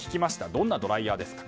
どんなドライヤーですか？